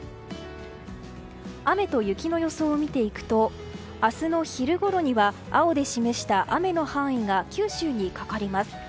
雨と雪の予想を見ていくと明日の昼ごろには青で示した雨の範囲が九州にかかります。